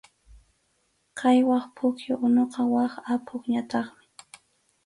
Qhaywaq pukyu unuqa wak apupñataqmi.